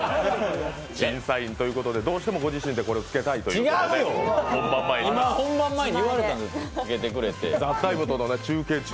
審査員ということで、どうしてもご自身でこれをつけたいということで本番前に。